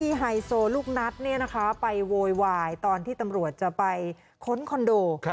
ที่ไฮโซลูกนัดเนี่ยนะคะไปโวยวายตอนที่ตำรวจจะไปค้นคอนโด